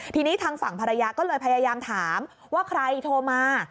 ทีนี้ทางฝั่งภรรยาก็เลยพยายามถามว่าใครโทรมา